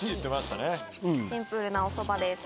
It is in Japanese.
シンプルなおそばです。